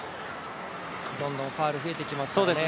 どんどんファウルが増えてきますからね。